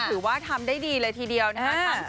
ถือว่าทำได้ดีเลยทีเดียวนะครับ